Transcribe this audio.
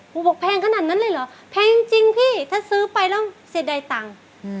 บอกแพงขนาดนั้นเลยเหรอแพงจริงพี่ถ้าซื้อไปแล้วเสียดายตังค์